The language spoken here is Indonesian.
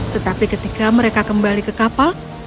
tetapi ketika mereka kembali ke kapal